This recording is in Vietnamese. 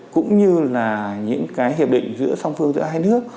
cũng như những hiệp định giữa song phương giữa hai nước